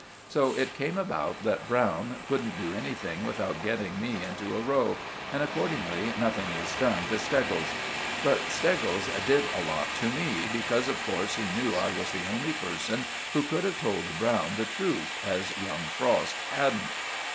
So it came about that Browne couldn't do anything without getting me into a row, and accordingly nothing was done to Steggles. But Steggles did a lot to me, because of course he knew I was the only person who could have told Browne the truth, as young Frost hadn't.